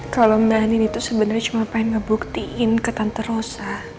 kalau mbak andin itu cuman mau ngebuktiin ke tante rosa